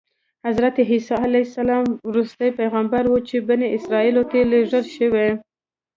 حضرت عیسی علیه السلام وروستی پیغمبر و چې بني اسرایلو ته لېږل شوی.